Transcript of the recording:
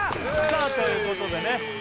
さあということでね